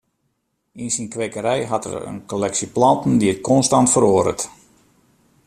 Yn syn kwekerij hat er in kolleksje planten dy't konstant feroaret.